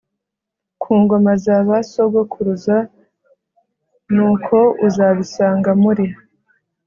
ku ngoma za ba sogokuruza Nuko uzabisanga muri